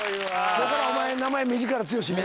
今日からお前名前目力つよしね